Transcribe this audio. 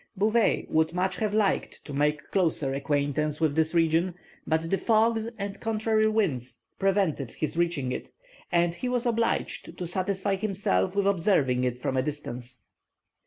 Bouvet would much have liked to make closer acquaintance with this region, but the fogs and contrary winds prevented his reaching it, and he was obliged to satisfy himself with observing it from a distance.